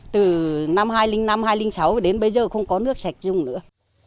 từ năm hai nghìn năm hai nghìn sáu đến bây giờ không có nước sạch dùng nữa